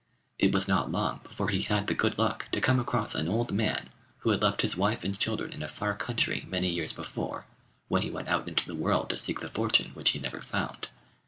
It was not long before he had the good luck to come across an old man who had left his wife and children in a far country many years before, when he went out into the world to seek the fortune which he never found.